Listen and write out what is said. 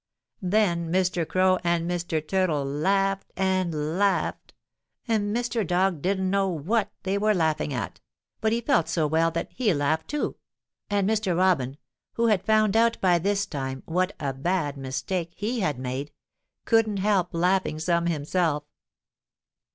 Then Mr. Crow and Mr. Turtle laughed and laughed, and Mr. Dog didn't know what they were laughing at, but he felt so well that he laughed too, and Mr. Robin, who had found out by this time what a bad mistake he had made, couldn't help laughing some himself.